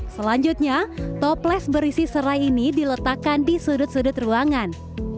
selanjutnya toples berisi serai ini diletakkan di sudut sudut ruangan